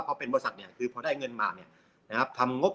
พอเป็นบริษัทเนี่ยคือพอได้เงินมาเนี่ยนะครับทำงบ